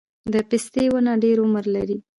د پستې ونه ډیر عمر لري؟